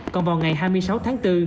còn vào ngày hai mươi sáu tháng bốn